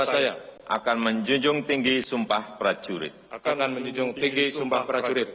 dengan penuh rasa tanggung jawab